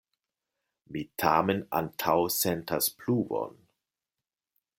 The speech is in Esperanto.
Mi tamen antaŭsentas pluvon.